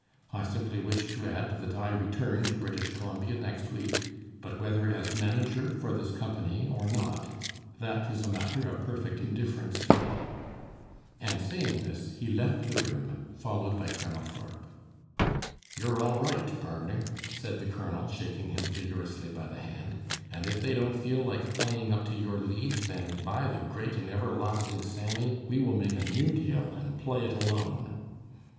I simply wish to add that I return to British Columbia next week, but whether as manager for this company or not that is a matter of perfect indifference to me." And saying this, he left the room, followed by Colonel Thorp. "You're all right, pardner," said the colonel, shaking him vigorously by the hand, "and if they don't feel like playing up to your lead, then, by the great and everlasting Sammy, we will make a new deal and play it alone!"